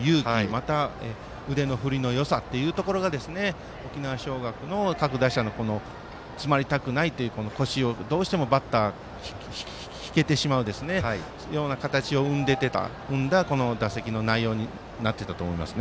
また腕の振りのよさというところが沖縄尚学の各打者の詰まりたくないという腰をどうしてもバッター引けてしまったような形を生んだ、打席の内容になっていたと思います。